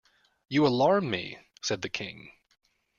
‘You alarm me!’ said the King.